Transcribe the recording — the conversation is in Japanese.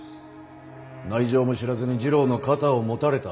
内情も知らずに次郎の肩を持たれた。